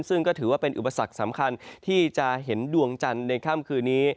ซึ่งก็ถือว่าเป็นอุปสรรคสำคัญที่จะเห็นดวงจันทร์ในค่ำคืนนี้